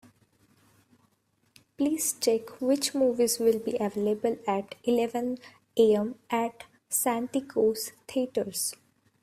Please check which movies will be available at eleven A.M. at Santikos Theatres?